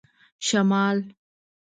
شمال